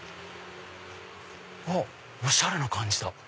あっおしゃれな感じだ。